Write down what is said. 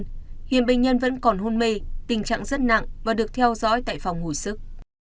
trường hợp nặng nhất bệnh nhân vẫn còn hôn mê tình trạng rất nặng và được theo dõi tại phòng hủy sức